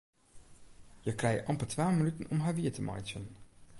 Hja krije amper twa minuten om har wier te meitsjen.